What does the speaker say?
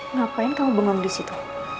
ngapain kamu bengong disitu